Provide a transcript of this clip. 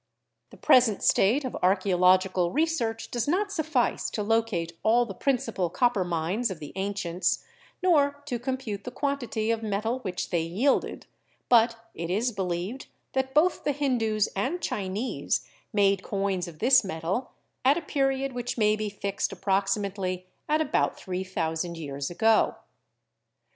The pres ent state of archeological research does not suffice to locate all the principal copper mines of the ancients nor to com pute the quantity of metal which they yielded, but it is believed that both the Hindus and Chinese made coins of this metal at a period which may be fixed approximately at about three thousand years ago.